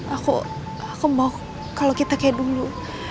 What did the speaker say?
aku aku mau kalau kita kayak dulu